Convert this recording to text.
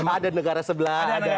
ada negara sebelah